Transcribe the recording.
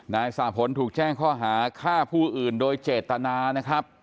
นายสาผลถูกแจ้งข้อหาฆ่าผู้อื่นโดยเจตนานะครับ